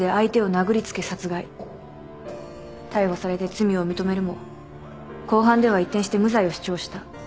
逮捕されて罪を認めるも公判では一転して無罪を主張した。